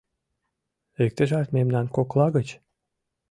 Иктыжат мемнан кокла гыч?